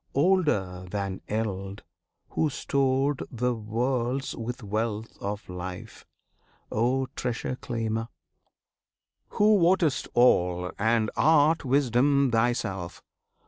Older than eld, Who stored The worlds with wealth of life! O Treasure Claimer, Who wottest all, and art Wisdom Thyself!